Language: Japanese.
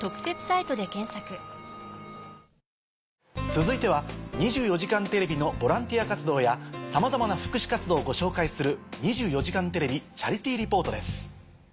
続いては『２４時間テレビ』のボランティア活動やさまざまな福祉活動をご紹介する。